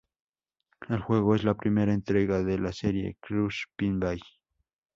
El juego es la primera entrega de la serie ""Crush Pinball"".